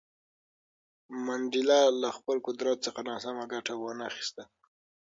منډېلا له خپل قدرت څخه ناسمه ګټه ونه خیسته.